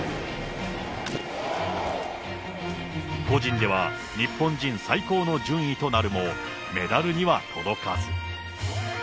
個人では日本人最高の順位となるも、メダルには届かず。